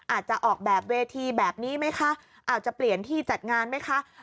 อาจจะออกแบบเวทีแบบนี้ไหมคะอาจจะเปลี่ยนที่จัดงานไหมคะ